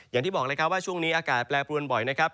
อย่างที่บอกเลยครับว่าช่วงนี้อากาศแปรปรวนบ่อยนะครับ